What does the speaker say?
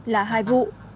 là hai vụ